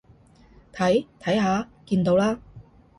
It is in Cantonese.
睇，睇下，見到啦？